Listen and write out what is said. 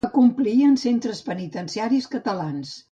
Acomplir en centres penitenciaris catalans.